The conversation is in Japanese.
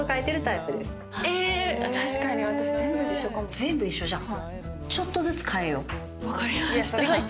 全部一緒じゃん。